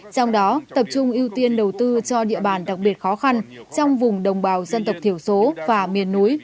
trong đó tập trung ưu tiên đầu tư cho địa bàn đặc biệt khó khăn trong vùng đồng bào dân tộc thiểu số và miền núi